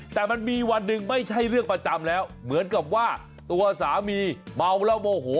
แต่มันมีวันหนึ่งไม่ใช่เรื่องประจำแล้วเหมือนกับว่าตัวสามีเมาแล้วโมโห